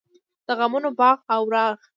د غمونو باغ او راغ.